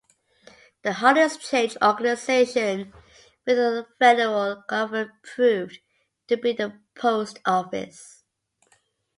The hardest changed organization within the federal government proved to be the post office.